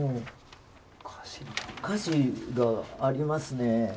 歌詞がありますね。